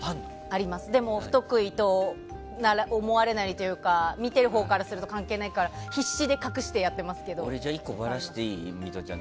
でも不得意と思われないというか見てるほうからすると関係ないから必死に隠してやっていますけど。